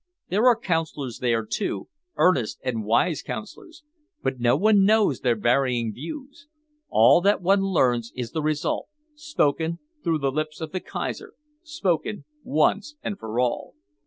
There are counsellors there, too, earnest and wise counsellors, but no one knows their varying views. All that one learns is the result, spoken through the lips of the Kaiser, spoken once and for all."